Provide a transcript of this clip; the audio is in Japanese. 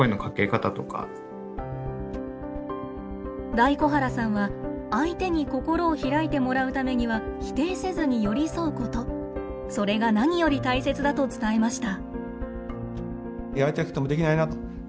大小原さんは相手に心を開いてもらうためには否定せずに寄り添うことそれが何より大切だと伝えました。